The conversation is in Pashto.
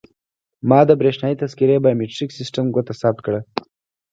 ما د بریښنایي تذکیرې بایومتریک سیستم ګوته ثبت کړه.